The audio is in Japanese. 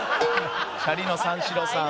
チャリの三四郎さん。